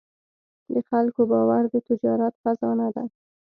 د خلکو باور د تجارت خزانه ده.